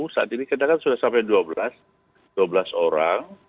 saat ini kita kan sudah sampai dua belas orang